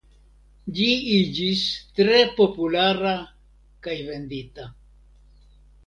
Ĝi iĝis tre populara kaj vendita.